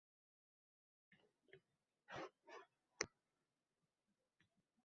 Ular borki — bizlar odam